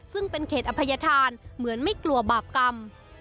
ซึ่งเป็นเขตอภัยธานเหมือนไม่กลัวบาปกรรม